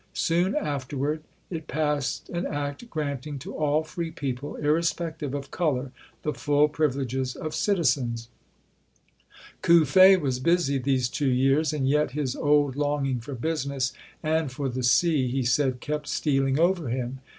Soon afterward it passed an act granting to all free people, irrespective of color, the full privileges of citizens. Cuffe was busy these two years and yet his old longing for business and for the sea, he said, kept stealing over him.